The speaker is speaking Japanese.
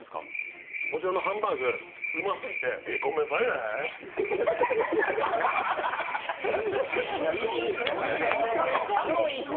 このハンバーグうますぎて、ごめんなさいね。